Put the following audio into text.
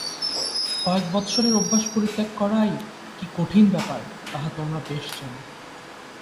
কয়েক বৎসরের অভ্যাস পরিত্যাগ করাই কি কঠিন ব্যাপার, তাহা তোমরা বেশ জান।